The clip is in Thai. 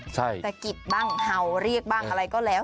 สะกิดบ้างเห่าเรียกบ้างอะไรก็แล้ว